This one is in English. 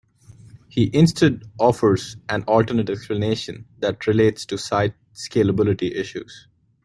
He instead offers an alternate explanation that relates to site scalability issues.